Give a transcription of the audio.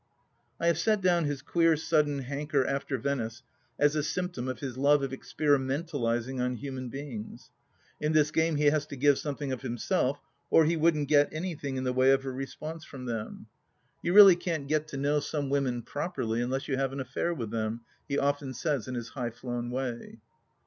I have set down his queer sudden hanker after Venice as a symptom of his love of experimentalizing on human beings. In this game he has to give something of himself or he wouldn't get anything in the way of a response from them. You really can't get to know some women properly unless you have an affair with them, he often says in his high flown way.